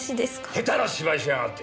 下手な芝居しやがって！